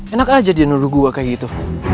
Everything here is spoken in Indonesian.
enak aja dia nurut gue kayak gitu